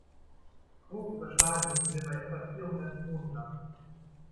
Grob überschlagen müssten wir bei etwa vierhundert Kronen landen.